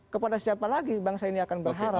kepada siapa lagi bangsa ini akan berharap